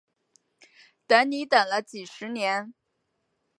等你等了几十年